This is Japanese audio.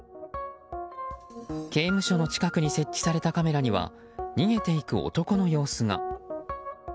刑務所の近くに設置されたカメラには逃げていく男の様子が。